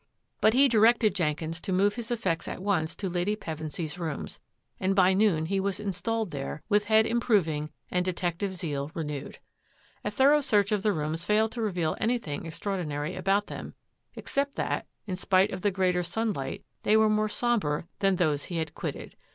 But he 68 THAT AFFAIR AT THE MANOR directed Jenkins to move his effects at once to Lady Pevensy's rooms, and by noon he was in stalled there with head improving and detective zeal renewed. A thorough search of the rooms failed to reveal anything extraordinary about them ex cept that, in spite of the greater sunlight, they were more sombre than those he had quitted.